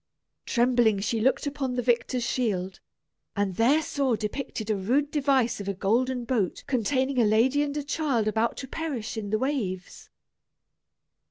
Trembling, she looked upon the victor's shield, and there saw depicted a rude device of a golden boat containing a lady and a child about to perish in the waves.